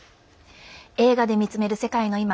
「映画で見つめる世界のいま」。